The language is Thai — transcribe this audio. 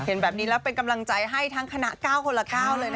เห็นแบบนี้แล้วเป็นกำลังใจให้ทั้งคณะ๙คนละ๙เลยนะ